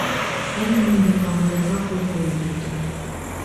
Әллә ниндәй ҡағыҙҙарға ҡул ҡуйып бөттөм.